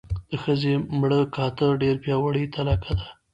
د ښځې مړه کاته ډېره پیاوړې تلکه ده.